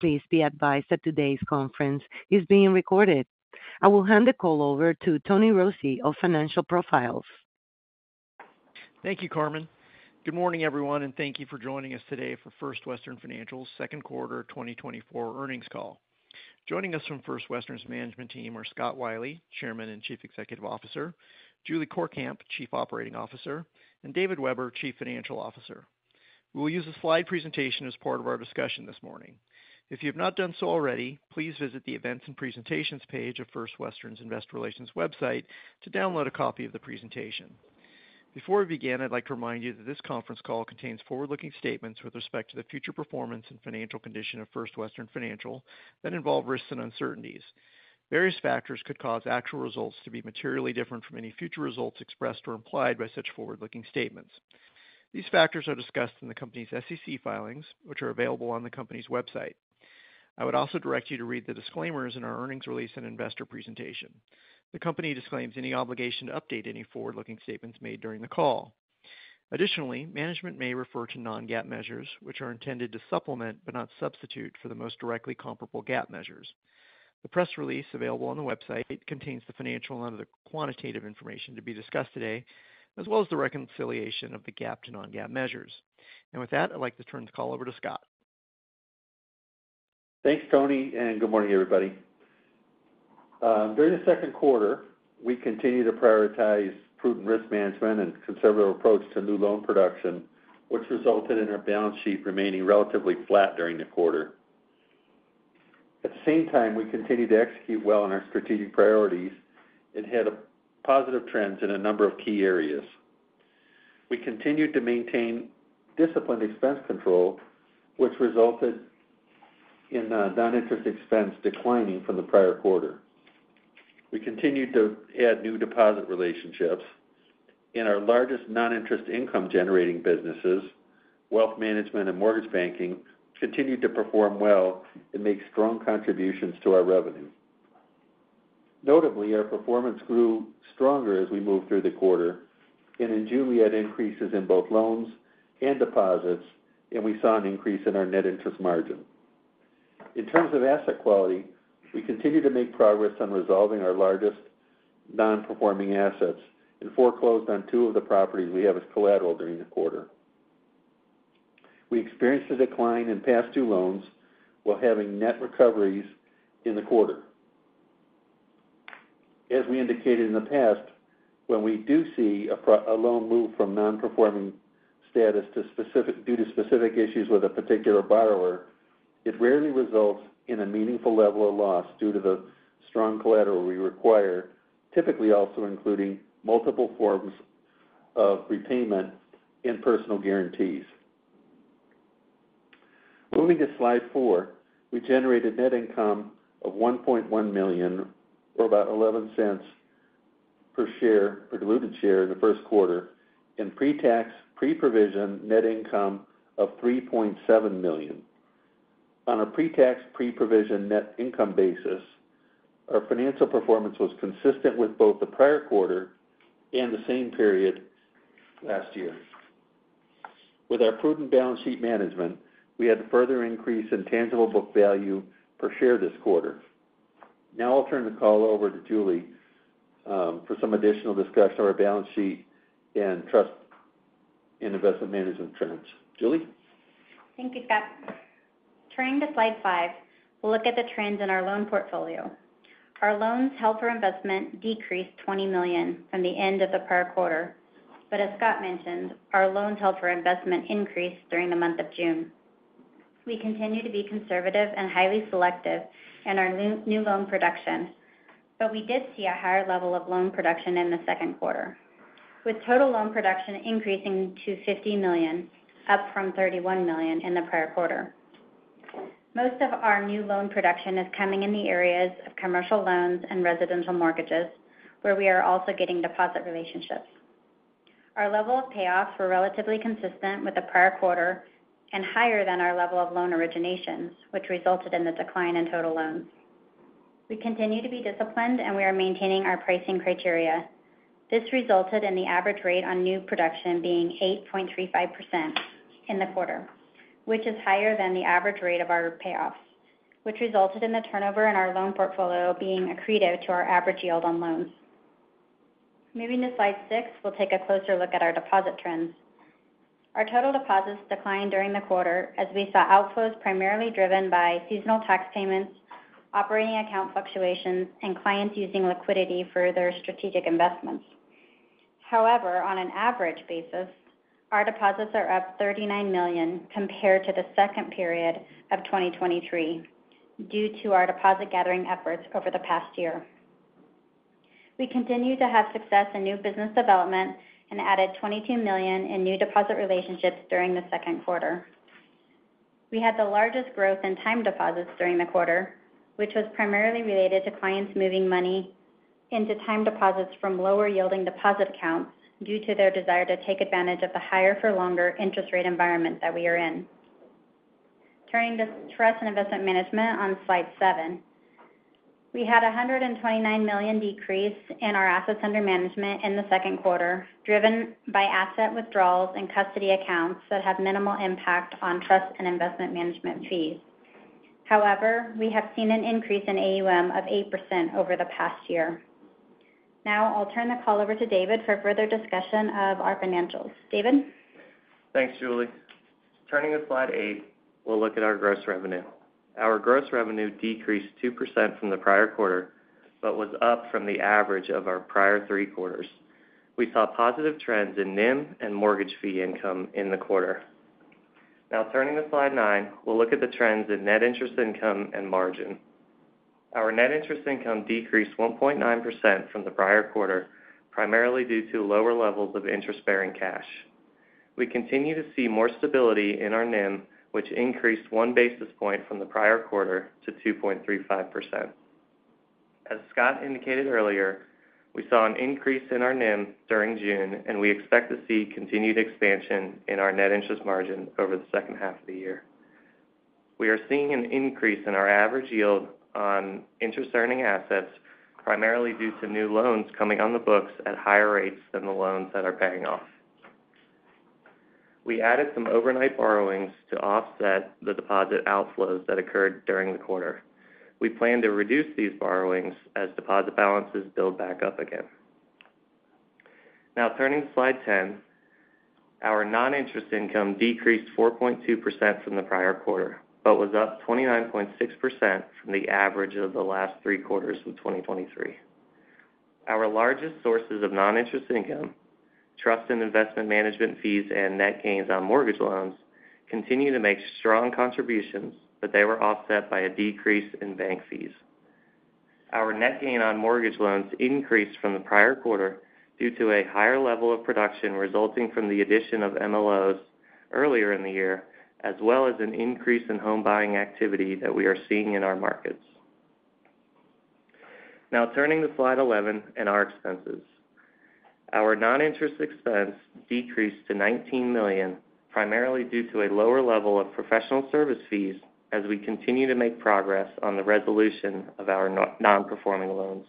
Please be advised that today's conference is being recorded. I will hand the call over to Tony Rossi of Financial Profiles. Thank you, Carmen. Good morning, everyone, and thank you for joining us today for First Western Financial's second quarter 2024 earnings call. Joining us from First Western's management team are Scott Wylie, Chairman and Chief Executive Officer, Julie Courkamp, Chief Operating Officer, and David Weber, Chief Financial Officer. We will use a slide presentation as part of our discussion this morning. If you have not done so already, please visit the Events and Presentations page of First Western's Investor Relations website to download a copy of the presentation. Before we begin, I'd like to remind you that this conference call contains forward-looking statements with respect to the future performance and financial condition of First Western Financial that involve risks and uncertainties. Various factors could cause actual results to be materially different from any future results expressed or implied by such forward-looking statements. These factors are discussed in the company's SEC filings, which are available on the company's website. I would also direct you to read the disclaimers in our earnings release and investor presentation. The company disclaims any obligation to update any forward-looking statements made during the call. Additionally, management may refer to non-GAAP measures, which are intended to supplement, but not substitute, for the most directly comparable GAAP measures. The press release available on the website contains the financial and other quantitative information to be discussed today, as well as the reconciliation of the GAAP to non-GAAP measures. With that, I'd like to turn the call over to Scott. Thanks, Tony, and good morning, everybody. During the second quarter, we continued to prioritize prudent risk management and conservative approach to new loan production, which resulted in our balance sheet remaining relatively flat during the quarter. At the same time, we continued to execute well on our strategic priorities and had a positive trends in a number of key areas. We continued to maintain disciplined expense control, which resulted in, non-interest expense declining from the prior quarter. We continued to add new deposit relationships, and our largest non-interest income-generating businesses, wealth management and mortgage banking, continued to perform well and make strong contributions to our revenue. Notably, our performance grew stronger as we moved through the quarter, and in July, had increases in both loans and deposits, and we saw an increase in our net interest margin. In terms of asset quality, we continued to make progress on resolving our largest non-performing assets and foreclosed on two of the properties we have as collateral during the quarter. We experienced a decline in past due loans while having net recoveries in the quarter. As we indicated in the past, when we do see a loan move from non-performing status due to specific issues with a particular borrower, it rarely results in a meaningful level of loss due to the strong collateral we require, typically also including multiple forms of repayment and personal guarantees. Moving to Slide 4, we generated net income of $1.1 million, or about $0.11 per diluted share in the first quarter, and pre-tax, pre-provision net income of $3.7 million. On a pre-tax, pre-provision net income basis, our financial performance was consistent with both the prior quarter and the same period last year. With our prudent balance sheet management, we had a further increase in tangible book value per share this quarter. Now, I'll turn the call over to Julie for some additional discussion on our balance sheet and trust and investment management trends. Julie? Thank you, Scott. Turning to Slide 5, we'll look at the trends in our loan portfolio. Our loans held for investment decreased $20 million from the end of the prior quarter, but as Scott mentioned, our loans held for investment increased during the month of June. We continue to be conservative and highly selective in our new loan production, but we did see a higher level of loan production in the second quarter, with total loan production increasing to $50 million, up from $31 million in the prior quarter. Most of our new loan production is coming in the areas of commercial loans and residential mortgages, where we are also getting deposit relationships. Our level of payoffs were relatively consistent with the prior quarter and higher than our level of loan originations, which resulted in the decline in total loans. We continue to be disciplined, and we are maintaining our pricing criteria. This resulted in the average rate on new production being 8.35% in the quarter, which is higher than the average rate of our payoffs, which resulted in the turnover in our loan portfolio being accretive to our average yield on loans. Moving to Slide 6, we'll take a closer look at our deposit trends. Our total deposits declined during the quarter as we saw outflows primarily driven by seasonal tax payments, operating account fluctuations, and clients using liquidity for their strategic investments. However, on an average basis, our deposits are up $39 million compared to the second period of 2023 due to our deposit gathering efforts over the past year. We continue to have success in new business development and added $22 million in new deposit relationships during the second quarter. We had the largest growth in time deposits during the quarter, which was primarily related to clients moving money into time deposits from lower-yielding deposit accounts due to their desire to take advantage of the higher for longer interest rate environment that we are in. Turning to trust and investment management on Slide 7. We had a $129 million decrease in our assets under management in the second quarter, driven by asset withdrawals and custody accounts that have minimal impact on trust and investment management fees. However, we have seen an increase in AUM of 8% over the past year. Now, I'll turn the call over to David for further discussion of our financials. David? Thanks, Julie. Turning to Slide 8, we'll look at our gross revenue. Our gross revenue decreased 2% from the prior quarter, but was up from the average of our prior three quarters. We saw positive trends in NIM and mortgage fee income in the quarter. Now, turning to Slide 9, we'll look at the trends in net interest income and margin. Our net interest income decreased 1.9% from the prior quarter, primarily due to lower levels of interest-bearing cash. We continue to see more stability in our NIM, which increased one basis point from the prior quarter to 2.35%. As Scott indicated earlier, we saw an increase in our NIM during June, and we expect to see continued expansion in our net interest margin over the second half of the year. We are seeing an increase in our average yield on interest-earning assets, primarily due to new loans coming on the books at higher rates than the loans that are paying off. We added some overnight borrowings to offset the deposit outflows that occurred during the quarter. We plan to reduce these borrowings as deposit balances build back up again. Now, turning to Slide 10, our non-interest income decreased 4.2% from the prior quarter, but was up 29.6% from the average of the last three quarters of 2023. Our largest sources of non-interest income, trust and investment management fees and net gains on mortgage loans, continue to make strong contributions, but they were offset by a decrease in bank fees. Our net gain on mortgage loans increased from the prior quarter due to a higher level of production resulting from the addition of MLOs earlier in the year, as well as an increase in home buying activity that we are seeing in our markets. Now, turning to Slide 11 and our expenses. Our non-interest expense decreased to $19 million, primarily due to a lower level of professional service fees as we continue to make progress on the resolution of our non-performing loans.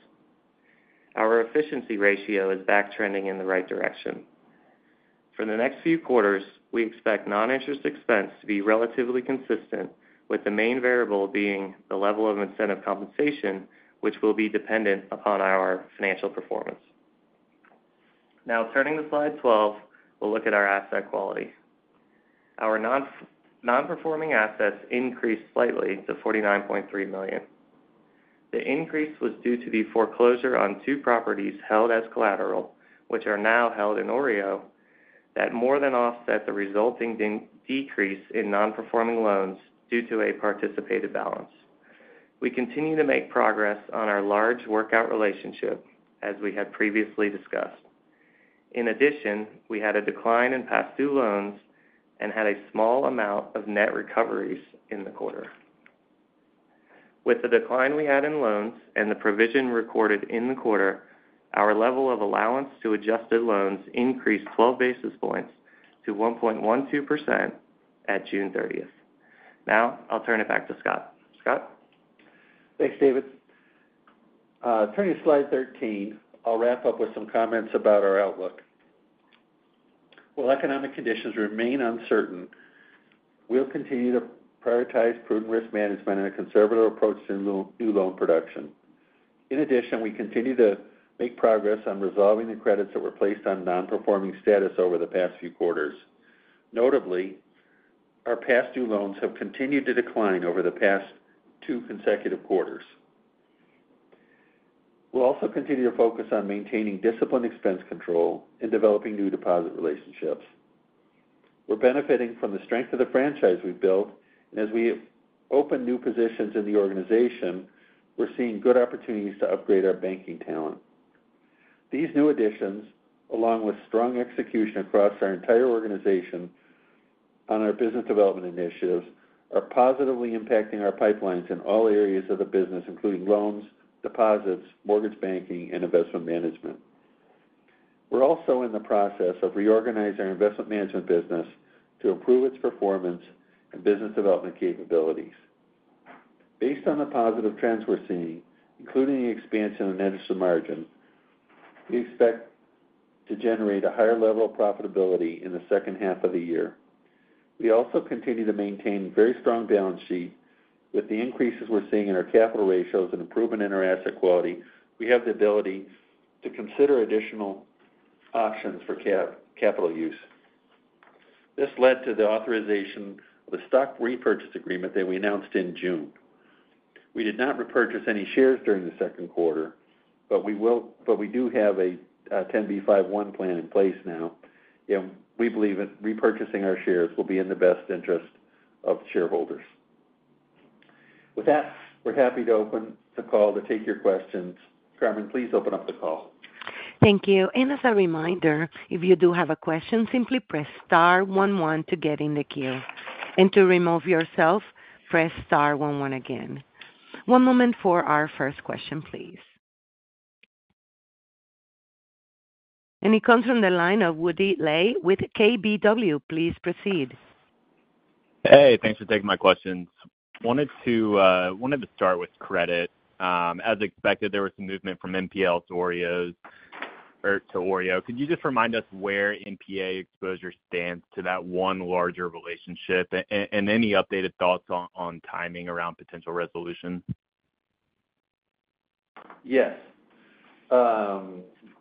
Our efficiency ratio is back trending in the right direction. For the next few quarters, we expect non-interest expense to be relatively consistent, with the main variable being the level of incentive compensation, which will be dependent upon our financial performance. Now, turning to Slide 12, we'll look at our asset quality. Our non-performing assets increased slightly to $49.3 million. The increase was due to the foreclosure on two properties held as collateral, which are now held in OREO, that more than offset the resulting decrease in non-performing loans due to a participated balance. We continue to make progress on our large workout relationship, as we had previously discussed. In addition, we had a decline in past due loans and had a small amount of net recoveries in the quarter. With the decline we had in loans and the provision recorded in the quarter, our level of allowance to adjusted loans increased 12 basis points to 1.12% at June 30th. Now, I'll turn it back to Scott. Scott? Thanks, David. Turning to Slide 13, I'll wrap up with some comments about our outlook. While economic conditions remain uncertain, we'll continue to prioritize prudent risk management and a conservative approach to new loan production. In addition, we continue to make progress on resolving the credits that were placed on non-performing status over the past few quarters. Notably, our past due loans have continued to decline over the past two consecutive quarters. We'll also continue to focus on maintaining disciplined expense control and developing new deposit relationships. We're benefiting from the strength of the franchise we've built, and as we open new positions in the organization, we're seeing good opportunities to upgrade our banking talent. These new additions, along with strong execution across our entire organization on our business development initiatives, are positively impacting our pipelines in all areas of the business, including loans, deposits, mortgage banking, and investment management. We're also in the process of reorganizing our investment management business to improve its performance and business development capabilities. Based on the positive trends we're seeing, including the expansion of net interest margin, we expect to generate a higher level of profitability in the second half of the year. We also continue to maintain very strong balance sheet. With the increases we're seeing in our capital ratios and improvement in our asset quality, we have the ability to consider additional options for capital use. This led to the authorization of the stock repurchase agreement that we announced in June. We did not repurchase any shares during the second quarter, but we do have a 10b5-1 plan in place now, and we believe that repurchasing our shares will be in the best interest of shareholders. With that, we're happy to open the call to take your questions. Carmen, please open up the call. Thank you. And as a reminder, if you do have a question, simply press star one one to get in the queue. And to remove yourself, press star one one again. One moment for our first question, please. And it comes from the line of Woody Lay with KBW. Please proceed. Hey, thanks for taking my questions. Wanted to start with credit. As expected, there was some movement from NPLs to OREOs, or to OREO. Could you just remind us where NPA exposure stands to that one larger relationship? And any updated thoughts on timing around potential resolution? Yes.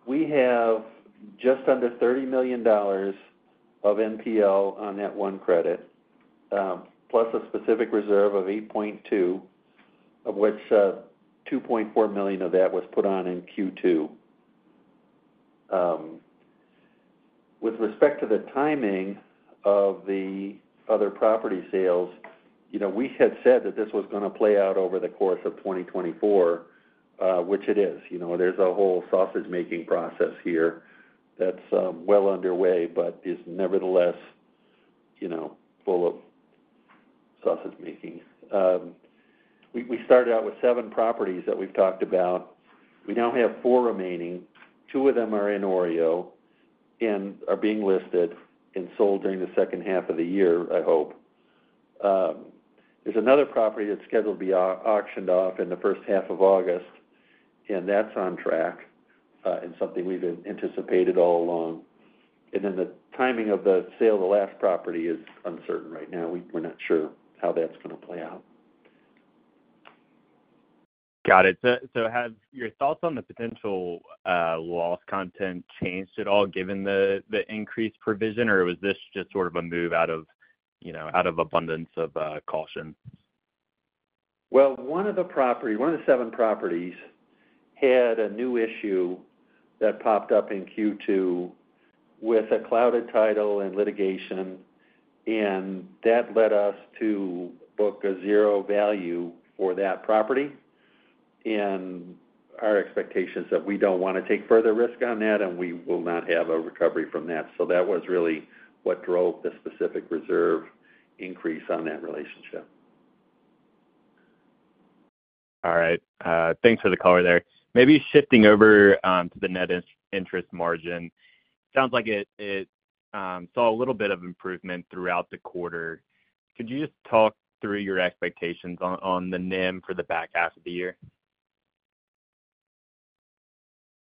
We have just under $30 million of NPL on that one credit, plus a specific reserve of $8.2 million, of which $2.4 million of that was put on in Q2. With respect to the timing of the other property sales, you know, we had said that this was going to play out over the course of 2024, which it is. You know, there's a whole sausage-making process here that's well underway, but is nevertheless, you know, full of sausage making. We started out with 7 properties that we've talked about. We now have 4 remaining. 2 of them are in OREO and are being listed and sold during the second half of the year, I hope. There's another property that's scheduled to be auctioned off in the first half of August, and that's on track, and something we've anticipated all along. And then the timing of the sale of the last property is uncertain right now. We're not sure how that's going to play out. Got it. So have your thoughts on the potential loss content changed at all given the increased provision? Or was this just sort of a move out of, you know, out of abundance of caution? Well, one of the seven properties had a new issue that popped up in Q2 with a clouded title and litigation, and that led us to book a zero value for that property. Our expectation is that we don't want to take further risk on that, and we will not have a recovery from that. That was really what drove the specific reserve increase on that relationship. All right. Thanks for the color there. Maybe shifting over to the net interest margin. Sounds like it saw a little bit of improvement throughout the quarter. Could you just talk through your expectations on the NIM for the back half of the year?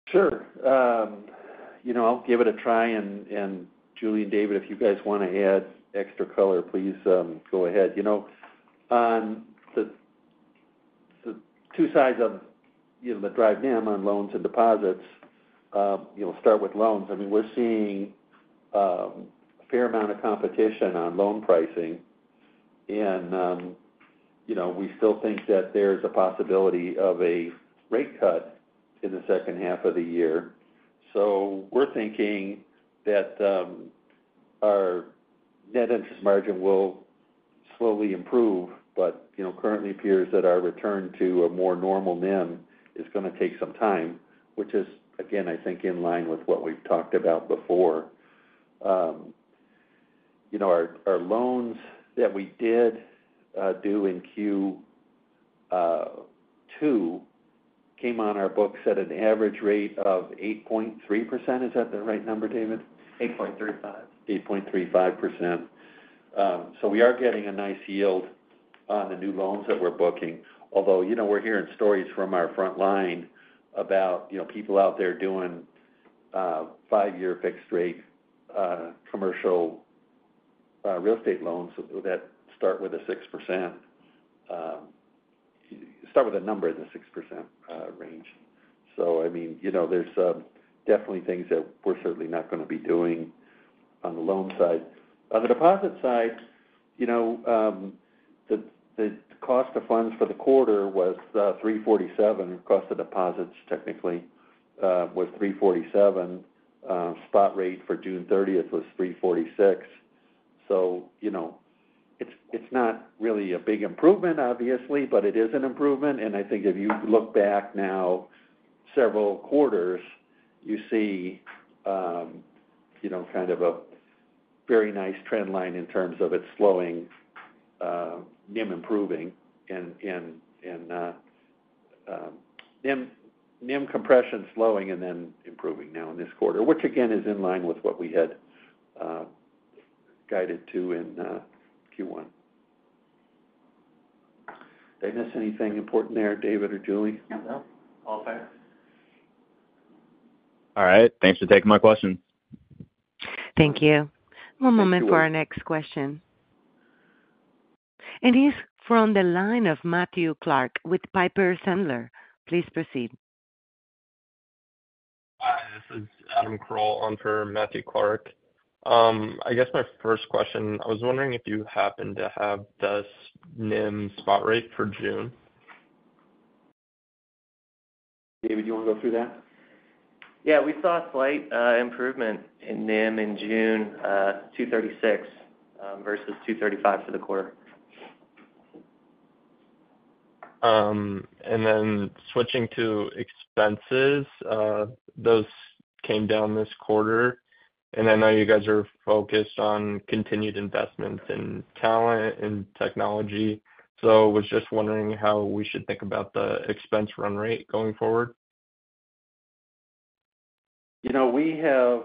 Sure. You know, I'll give it a try, and Julie and David, if you guys want to add extra color, please, go ahead. You know, on the two sides of, you know, that drive NIM on loans and deposits, you'll start with loans. I mean, we're seeing a fair amount of competition on loan pricing. And, you know, we still think that there's a possibility of a rate cut in the second half of the year. So we're thinking that our net interest margin will slowly improve, but, you know, currently appears that our return to a more normal NIM is gonna take some time, which is, again, I think, in line with what we've talked about before. You know, our, our loans that we did do in Q2 came on our books at an average rate of 8.3%. Is that the right number, David? 8.35. 8.35%. So we are getting a nice yield on the new loans that we're booking, although, you know, we're hearing stories from our front line about, you know, people out there doing, 5-year fixed rate, commercial, real estate loans that start with a 6%. Start with a number in the 6% range. So I mean, you know, there's definitely things that we're certainly not going to be doing on the loan side. On the deposit side, you know, the cost of funds for the quarter was 3.47. Cost of deposits, technically, was 3.47. Spot rate for June 30th was 3.46. So you know, it's not really a big improvement, obviously, but it is an improvement. I think if you look back now several quarters, you see, you know, kind of a very nice trend line in terms of it slowing, NIM improving and NIM compression slowing and then improving now in this quarter, which again, is in line with what we had guided to in Q1. Did I miss anything important there, David or Julie? No. All set. All right. Thanks for taking my questions. Thank you. Thank you. One moment before our next question. It is from the line of Matthew Clark with Piper Sandler. Please proceed. Hi, this is Adam Kroll on for Matthew Clark. I guess my first question, I was wondering if you happen to have the NIM spot rate for June? David, do you want to go through that? Yeah, we saw a slight improvement in NIM in June, 2.36 versus 2.35 for the quarter. And then switching to expenses, those came down this quarter, and I know you guys are focused on continued investments in talent and technology. So I was just wondering how we should think about the expense run rate going forward? You know, we have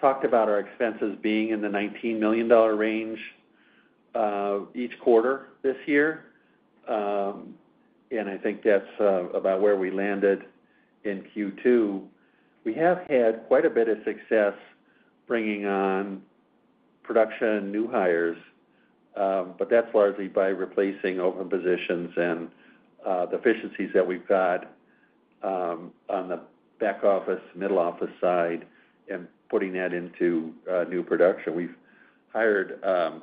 talked about our expenses being in the $19 million range each quarter this year. I think that's about where we landed in Q2. We have had quite a bit of success bringing on production new hires, but that's largely by replacing open positions and the efficiencies that we've got on the back office, middle office side, and putting that into new production. We've hired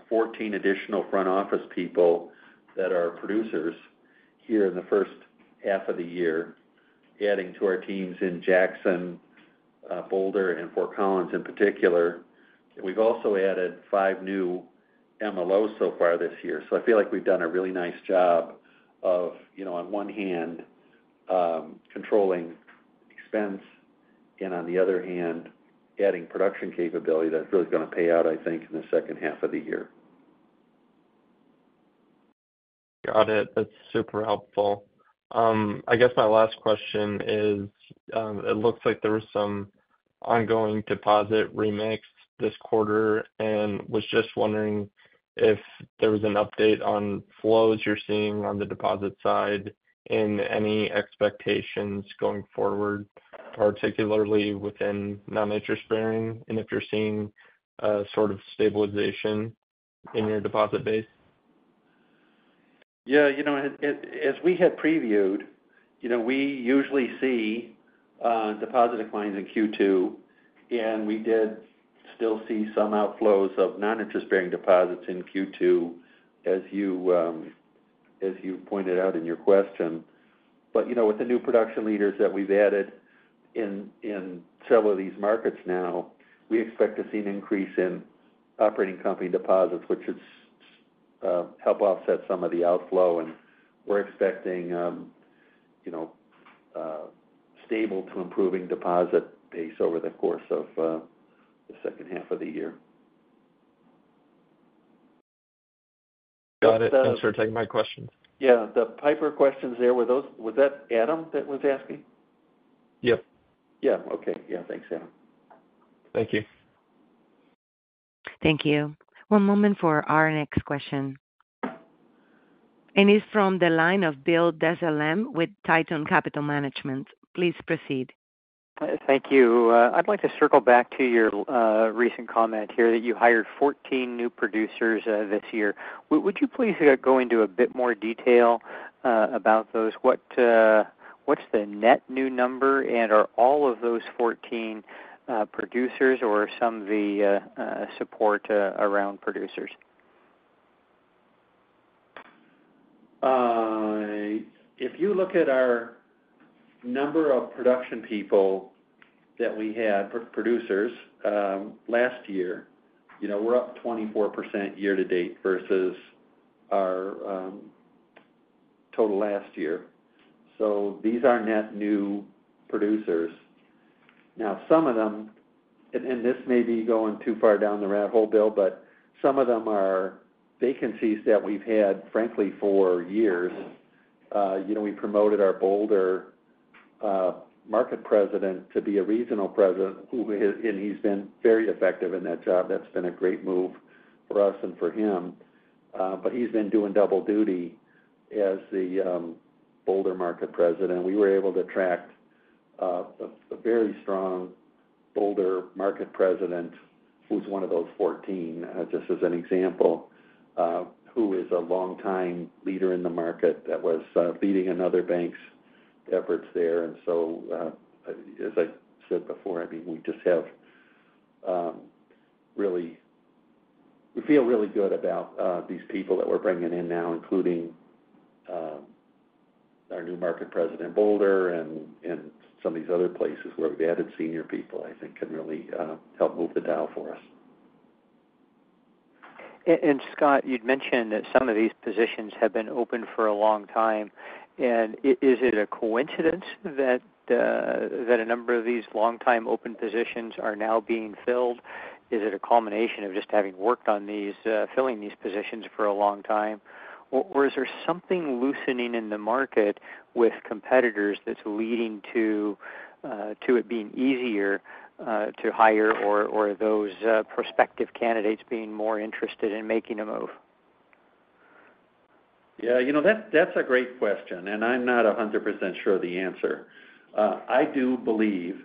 14 additional front office people that are producers here in the first half of the year, adding to our teams in Jackson, Boulder, and Fort Collins in particular. We've also added five new MLOs so far this year. I feel like we've done a really nice job of, you know, on one hand, controlling expense, and on the other hand, adding production capability that's really going to pay out, I think, in the second half of the year. Got it. That's super helpful. I guess my last question is, it looks like there was some ongoing deposit remix this quarter, and was just wondering if there was an update on flows you're seeing on the deposit side and any expectations going forward, particularly within non-interest bearing, and if you're seeing a sort of stabilization in your deposit base? Yeah, you know, as we had previewed, you know, we usually see deposit declines in Q2, and we did still see some outflows of non-interest bearing deposits in Q2, as you pointed out in your question. But, you know, with the new production leaders that we've added in several of these markets now, we expect to see an increase in operating company deposits, which is help offset some of the outflow. And we're expecting, you know, stable to improving deposit pace over the course of the second half of the year. Got it. Thanks for taking my questions. Yeah. The Piper questions there, were those- was that Adam that was asking? Yep. Yeah. Okay. Yeah. Thanks, Adam. Thank you. Thank you. One moment for our next question. It's from the line of Bill Dezellem with Tieton Capital Management. Please proceed. Thank you. I'd like to circle back to your recent comment here that you hired 14 new producers this year. Would you please go into a bit more detail about those? What’s the net new number? And are all of those 14 producers or are some of the support around producers? If you look at our number of production people that we had, producers, last year, you know, we're up 24% year to date versus our total last year. So these are net new producers. Now, some of them, and this may be going too far down the rabbit hole, Bill, but some of them are vacancies that we've had, frankly, for years. You know, we promoted our Boulder market president to be a regional president, and he's been very effective in that job. That's been a great move for us and for him. But he's been doing double duty as the Boulder market president. We were able to attract a very strong Boulder market president, who's one of those 14, just as an example, who is a longtime leader in the market that was leading another bank's efforts there. And so, as I said before, I mean, we just have really. We feel really good about these people that we're bringing in now, including our new market president in Boulder and some of these other places where we've added senior people, I think can really help move the dial for us. Scott, you'd mentioned that some of these positions have been open for a long time. Is it a coincidence that a number of these long-time open positions are now being filled? Is it a culmination of just having worked on these, filling these positions for a long time? Or is there something loosening in the market with competitors that's leading to it being easier to hire or those prospective candidates being more interested in making a move? Yeah, you know, that's, that's a great question, and I'm not 100% sure of the answer. I do believe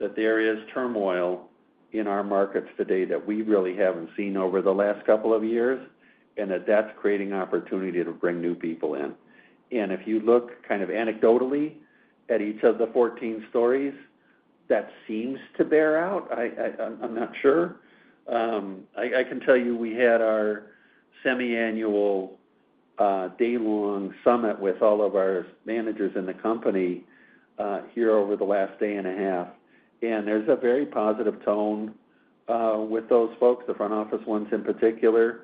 that there is turmoil in our markets today that we really haven't seen over the last couple of years, and that that's creating opportunity to bring new people in. And if you look kind of anecdotally at each of the 14 stories, that seems to bear out. I'm not sure. I can tell you we had our semiannual, day-long summit with all of our managers in the company, here over the last day and a half, and there's a very positive tone with those folks, the front office ones in particular.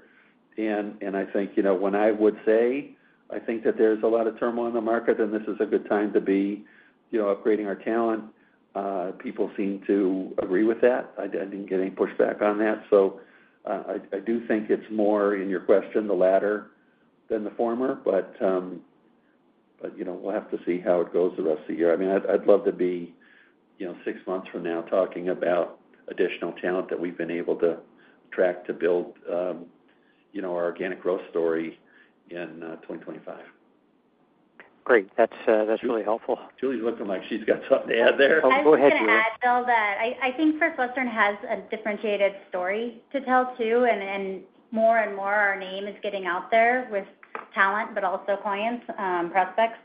And I think, you know, when I would say, I think that there's a lot of turmoil in the market and this is a good time to be, you know, upgrading our talent, people seem to agree with that. I didn't get any pushback on that. So, I do think it's more in your question, the latter than the former, but, but, you know, we'll have to see how it goes the rest of the year. I mean, I'd love to be, you know, six months from now, talking about additional talent that we've been able to attract to build, you know, our organic growth story in 2025. Great. That's, that's really helpful. Julie's looking like she's got something to add there. Oh, go ahead, Julie. I was just going to add, Bill, that I think First Western has a differentiated story to tell, too, and more and more, our name is getting out there with talent, but also clients, prospects,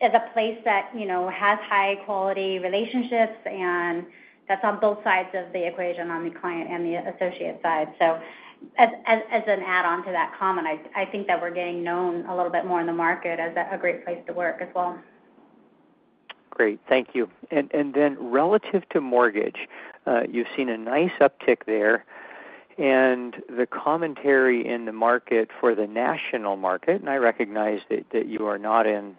as a place that, you know, has high-quality relationships, and that's on both sides of the equation, on the client and the associate side. So as an add-on to that comment, I think that we're getting known a little bit more in the market as a great place to work as well. Great. Thank you. And then relative to mortgage, you've seen a nice uptick there, and the commentary in the market for the national market, and I recognize that you are not in,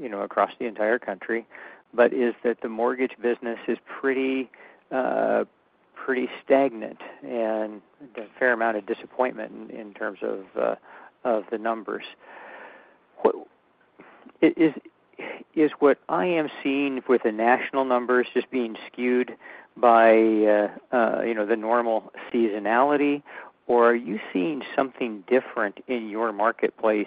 you know, across the entire country, but the mortgage business is pretty stagnant and a fair amount of disappointment in terms of the numbers. Is what I am seeing with the national numbers just being skewed by, you know, the normal seasonality, or are you seeing something different in your marketplace,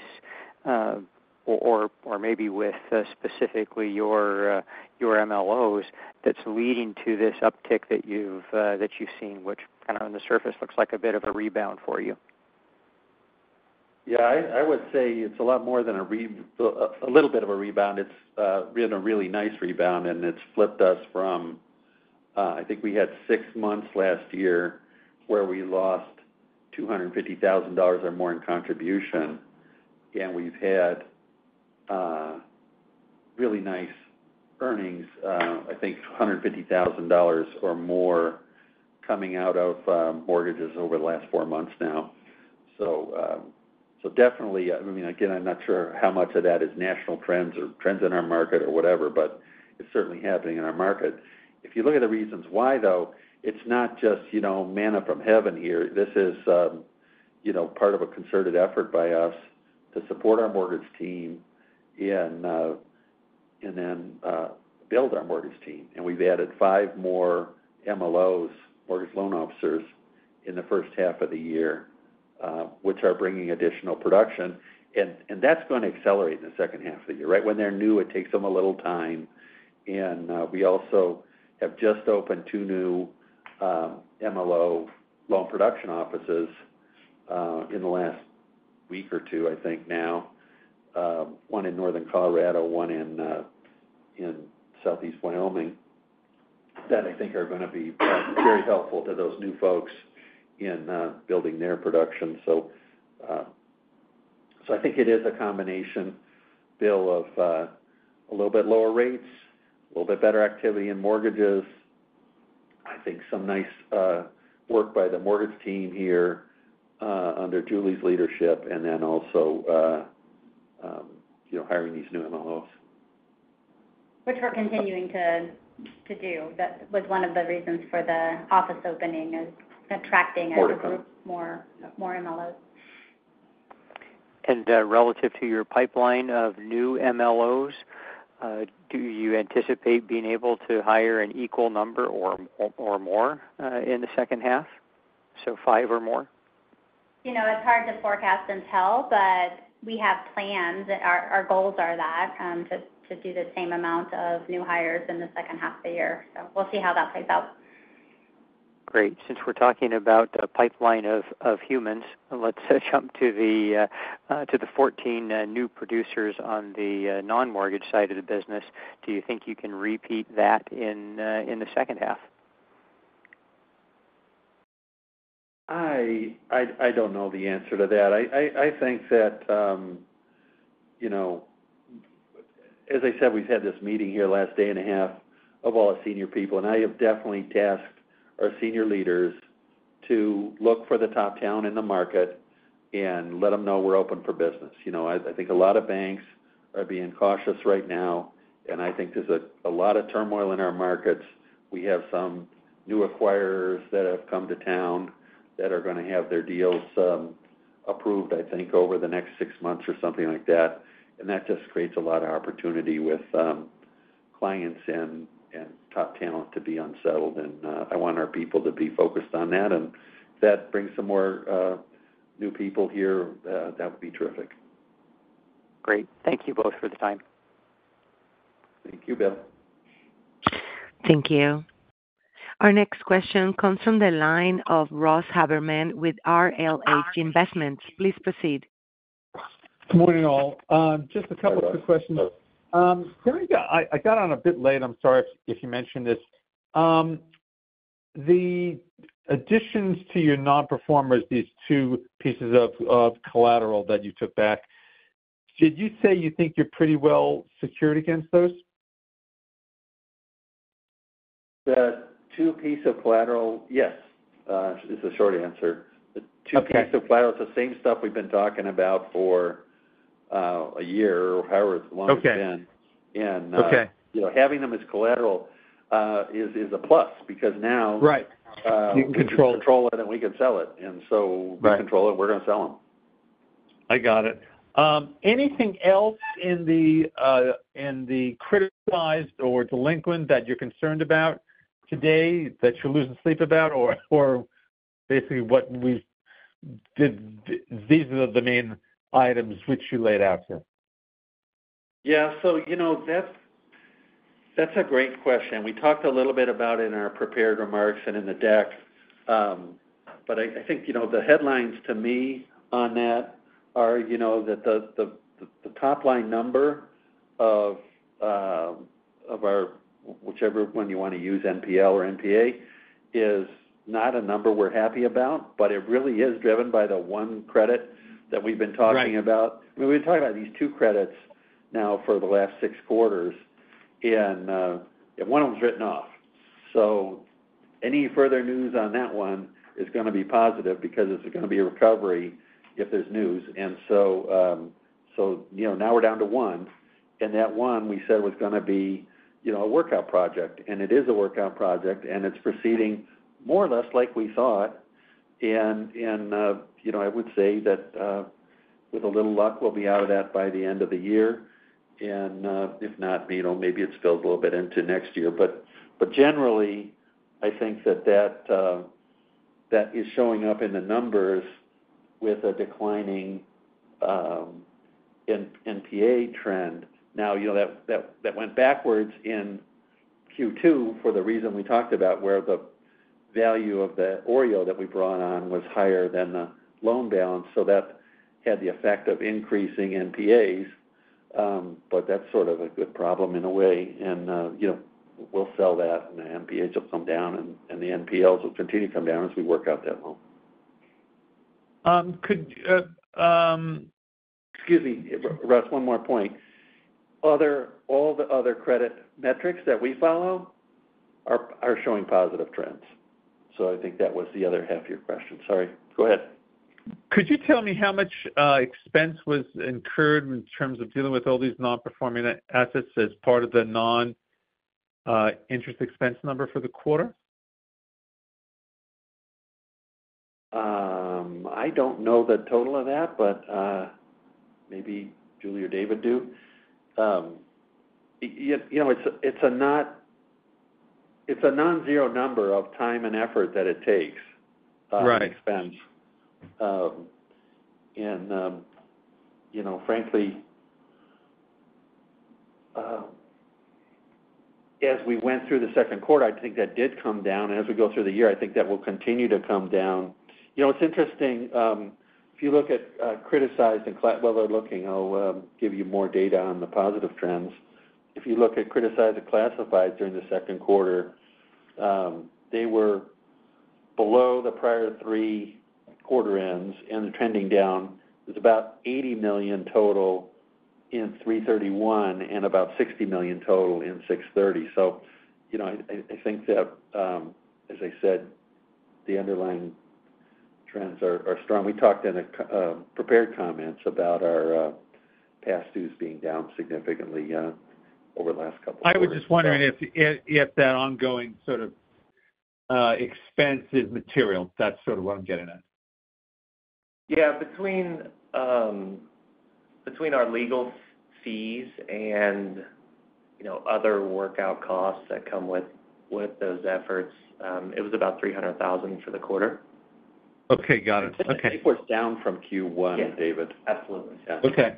or maybe with specifically your MLOs, that's leading to this uptick that you've seen, which kind of on the surface looks like a bit of a rebound for you? Yeah, I would say it's a lot more than a little bit of a rebound. It's been a really nice rebound, and it's flipped us from, I think we had six months last year where we lost $250,000 or more in contribution. And we've had really nice earnings, I think $150,000 or more coming out of mortgages over the last four months now. So definitely, I mean, again, I'm not sure how much of that is national trends or trends in our market or whatever, but it's certainly happening in our market. If you look at the reasons why, though, it's not just, you know, manna from heaven here. This is, you know, part of a concerted effort by us to support our mortgage team and, and then, build our mortgage team. And we've added 5 more MLOs, mortgage loan officers, in the first half of the year, which are bringing additional production, and that's going to accelerate in the second half of the year. Right when they're new, it takes them a little time, and we also have just opened 2 new MLO loan production offices in the last week or 2, I think now. One in Northern Colorado, one in Southeast Wyoming, that I think are going to be very helpful to those new folks in building their production. So, I think it is a combination, Bill, of a little bit lower rates, a little bit better activity in mortgages. I think some nice work by the mortgage team here under Julie's leadership, and then also, you know, hiring these new MLOs. Which we're continuing to do. That was one of the reasons for the office opening is attracting mortgage loan group, more, more MLOs. Relative to your pipeline of new MLOs, do you anticipate being able to hire an equal number or more in the second half, so 5 or more? You know, it's hard to forecast and tell, but we have plans. Our goals are to do the same amount of new hires in the second half of the year. So we'll see how that plays out. Great. Since we're talking about a pipeline of humans, let's jump to the 14 new producers on the non-mortgage side of the business. Do you think you can repeat that in the second half? I don't know the answer to that. I think that, you know, as I said, we've had this meeting here the last day and a half of all our senior people, and I have definitely tasked our senior leaders to look for the top talent in the market and let them know we're open for business. You know, I think a lot of banks are being cautious right now, and I think there's a lot of turmoil in our markets. We have some new acquirers that have come to town that are going to have their deals approved, I think, over the next six months or something like that. And that just creates a lot of opportunity with clients and top talent to be unsettled. I want our people to be focused on that, and if that brings some more new people here, that would be terrific. Great. Thank you both for the time. Thank you, Bill. Thank you. Our next question comes from the line of Ross Haberman with RLH Investments. Please proceed. Good morning, all. Just a couple Hi, Ross of quick questions. Can I... I got on a bit late. I'm sorry if you mentioned this. The additions to your non-performers, these two pieces of collateral that you took back, did you say you think you're pretty well secured against those? The two pieces of collateral? Yes, is the short answer. Okay. The two piece of collateral is the same stuff we've been talking about for a year, or however long it's been and Okay. you know, having them as collateral, is a plus because now- Right. You can control it. Control it, and we can sell it. And so- Right we control it, we're gonna sell them. I got it. Anything else in the, in the criticized or delinquent that you're concerned about today, that you're losing sleep about? Or basically, what we did these are the main items which you laid out here. Yeah. So you know, that's a great question. We talked a little bit about in our prepared remarks and in the deck. But I think, you know, the headlines to me on that are, you know, that the top line number of our, whichever one you want to use, NPL or NPA, is not a number we're happy about, but it really is driven by the one credit that we've been talking about. Right. We've been talking about these two credits now for the last six quarters, and one of them is written off. So any further news on that one is gonna be positive because it's gonna be a recovery if there's news. And so, you know, now we're down to one, and that one we said was gonna be, you know, a workout project. And it is a workout project, and it's proceeding more or less like we thought. And, you know, I would say that with a little luck, we'll be out of that by the end of the year. And if not, you know, maybe it spills a little bit into next year. But generally, I think that that is showing up in the numbers with a declining NPA trend. Now, you know, that went backwards in Q2 for the reason we talked about, where the value of the OREO that we brought on was higher than the loan balance, so that had the effect of increasing NPAs. But that's sort of a good problem in a way. And, you know, we'll sell that, and the NPAs will come down, and the NPLs will continue to come down as we work out that loan. Could Excuse me, Ross, one more point. All the other credit metrics that we follow are showing positive trends. So I think that was the other half of your question. Sorry. Go ahead. Could you tell me how much expense was incurred in terms of dealing with all these non-performing assets as part of the non-interest expense number for the quarter? I don't know the total of that, but maybe Julie or David do. You know, it's a nonzero number of time and effort that it takes Right expense. You know, frankly, as we went through the second quarter, I think that did come down. As we go through the year, I think that will continue to come down. You know, it's interesting if you look at criticized and well, we're looking. I'll give you more data on the positive trends. If you look at criticized and classified during the second quarter, they were below the prior three quarter ends and trending down. It was about $80 million total in 3/31, and about $60 million total in 6/30. So you know, I, I, I think that, as I said, the underlying trends are, are strong. We talked in a prepared comments about our past dues being down significantly over the last couple of quarters. I was just wondering if that ongoing sort of expense is material. That's sort of what I'm getting at. Yeah. Between our legal fees and, you know, other workout costs that come with those efforts, it was about $300,000 for the quarter. Okay, got it. Okay. But it was down from Q1 Yes. David. Absolutely, yes. Okay.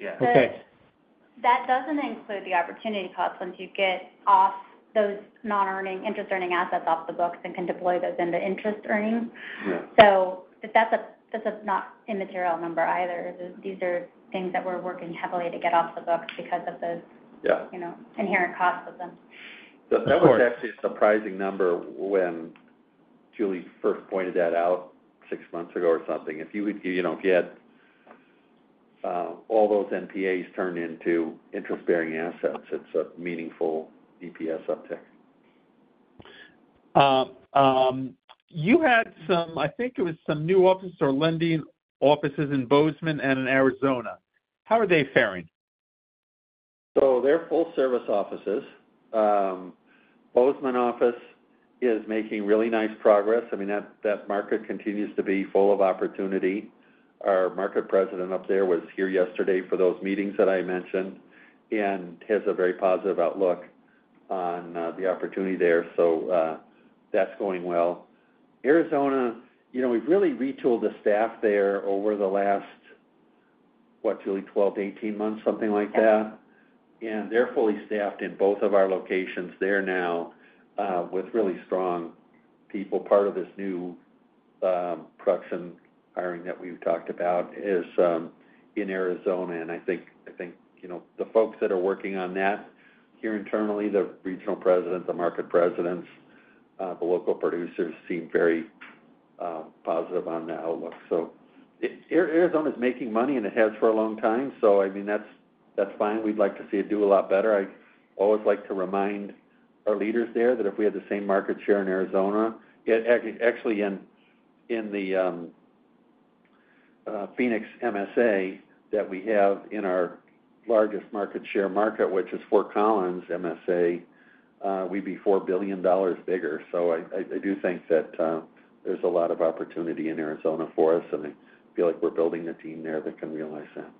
Yeah. Okay. That doesn't include the opportunity costs once you get off those non-earning, interest-earning assets off the books and can deploy those into interest earnings. Yeah. But that's a not immaterial number either. These are things that we're working heavily to get off the books because of the Yeah you know, inherent costs of them. Of course. That was actually a surprising number when Julie first pointed that out six months ago or something. If you would, you know, get all those NPAs turned into interest-bearing assets, it's a meaningful EPS uptick. You had some, I think it was some new office or lending offices in Bozeman and in Arizona. How are they faring? So they're full-service offices. Bozeman office is making really nice progress. I mean, that market continues to be full of opportunity. Our market president up there was here yesterday for those meetings that I mentioned and has a very positive outlook on the opportunity there. So, that's going well. Arizona, you know, we've really retooled the staff there over the last, what, Julie? 12-18 months, something like that. Yes. They're fully staffed in both of our locations there now with really strong people. Part of this new production hiring that we've talked about is in Arizona, and I think you know the folks that are working on that here internally, the regional presidents, the market presidents, the local producers, seem very positive on the outlook. So Arizona is making money, and it has for a long time. So I mean, that's fine. We'd like to see it do a lot better. I always like to remind our leaders there that if we had the same market share in Arizona, yet actually, in the Phoenix MSA that we have in our largest market share market, which is Fort Collins MSA, we'd be $4 billion bigger. So I do think that there's a lot of opportunity in Arizona for us, and I feel like we're building a team there that can realize that.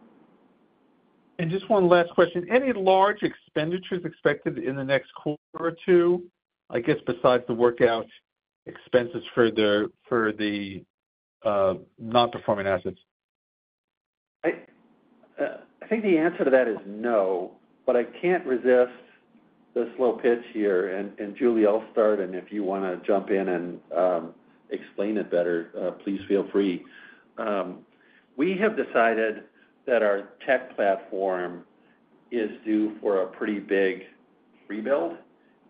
Just one last question. Any large expenditures expected in the next quarter or two? I guess besides the workout expenses for the non-performing assets. I, I think the answer to that is no, but I can't resist this little pitch here. And, Julie, I'll start, and if you wanna jump in and explain it better, please feel free. We have decided that our tech platform is due for a pretty big rebuild,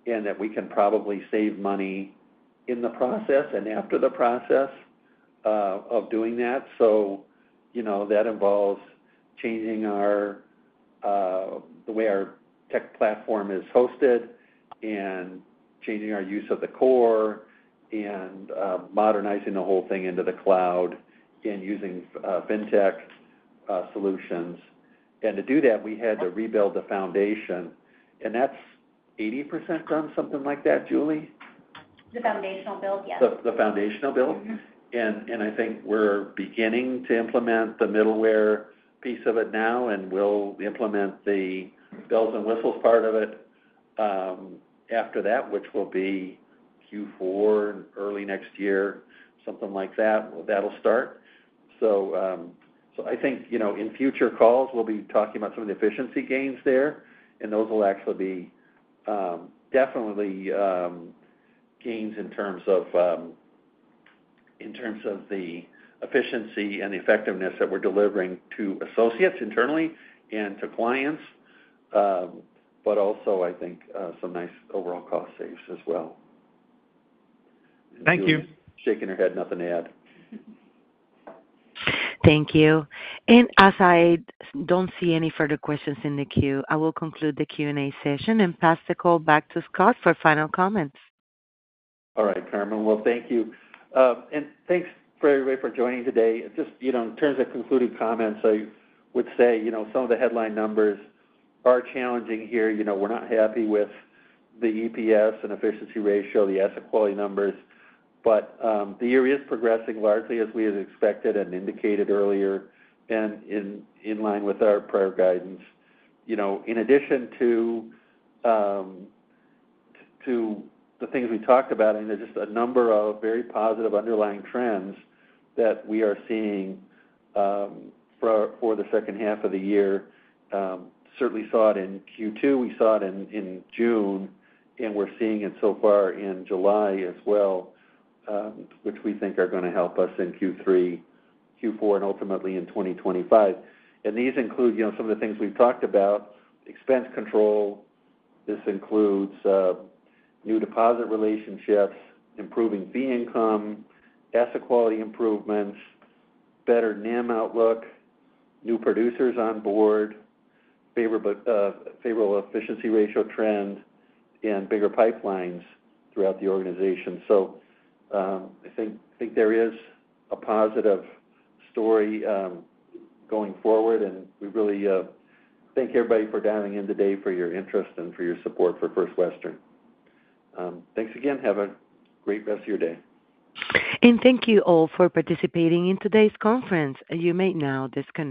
and that we can probably save money in the process and after the process of doing that. So, you know, that involves changing our, the way our tech platform is hosted and changing our use of the core and modernizing the whole thing into the cloud and using fintech solutions. And to do that, we had to rebuild the foundation, and that's 80% done, something like that, Julie? The foundational build? Yes. The foundational build. And I think we're beginning to implement the middleware piece of it now, and we'll implement the bells and whistles part of it, after that, which will be Q4, early next year, something like that, that'll start. So, so I think, you know, in future calls, we'll be talking about some of the efficiency gains there, and those will actually be, definitely, gains in terms of, in terms of the efficiency and effectiveness that we're delivering to associates internally and to clients, but also, I think, some nice overall cost saves as well. Thank you. Shaking her head, nothing to add. Thank you. As I don't see any further questions in the queue, I will conclude the Q&A session and pass the call back to Scott for final comments. All right, Carmen. Well, thank you, and thanks for everybody for joining today. Just, you know, in terms of concluding comments, I would say, you know, some of the headline numbers are challenging here. You know, we're not happy with the EPS and efficiency ratio, the asset quality numbers, but the area is progressing largely as we had expected and indicated earlier and in line with our prior guidance. You know, in addition to the things we talked about, and there's just a number of very positive underlying trends that we are seeing for the second half of the year. Certainly saw it in Q2, we saw it in June, and we're seeing it so far in July as well, which we think are gonna help us in Q3, Q4, and ultimately in 2025. And these include, you know, some of the things we've talked about, expense control. This includes new deposit relationships, improving fee income, asset quality improvements, better NIM outlook, new producers on board, favorable efficiency ratio trend, and bigger pipelines throughout the organization. So, I think there is a positive story going forward, and we really thank everybody for dialing in today for your interest and for your support for First Western. Thanks again. Have a great rest of your day. Thank you all for participating in today's conference. You may now disconnect.